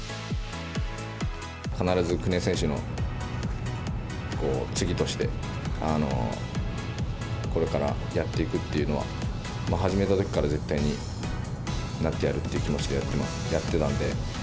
必ず国枝選手の次として、これからやっていくっていうのは、始めたときから、絶対になってやるって気持ちでやってたんで。